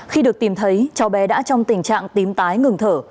khi được tìm thấy cháu bé đã trong tình trạng tím tái ngừng thở